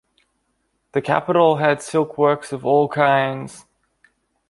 The capital had silkworks of all kinds.